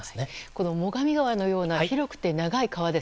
この最上川のような広くて長い川